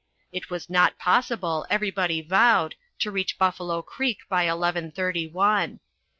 It was not possible, everybody vowed, to reach Buffalo Creek by eleven thirty one.